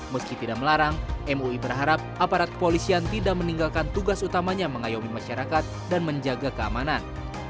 meski tidak melarang mui berharap aparat kepolisian tidak meninggalkan tugas utamanya mengayomi masyarakat dan menjaga keamanan